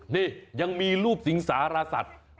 นี่ยังมีรูปสิงสารสัตว์